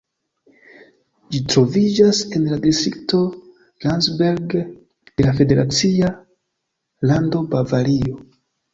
Ĝi troviĝas en la distrikto Landsberg de la federacia lando Bavario.